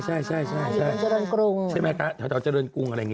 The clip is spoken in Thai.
ใช่มาอยู่บนเจริญกรุง